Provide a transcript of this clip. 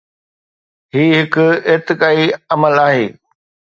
هي هڪ ارتقائي عمل آهي.